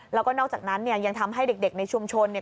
แล้วก็นอกจากนั้นเนี่ยยังทำให้เด็กในชุมชนเนี่ย